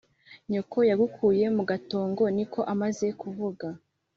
nyoko yagukuye mu gatongo niko amaze kuvuga